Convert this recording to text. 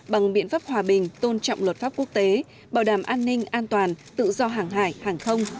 bằng biện pháp hòa bình tôn trọng luật pháp quốc tế bảo đảm an ninh an toàn tự do hàng hải hàng không